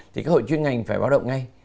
thì các hội chuyên ngành phải báo động ngay